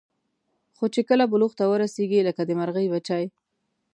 خو چې کله بلوغ ته ورسېږي لکه د مرغۍ بچي.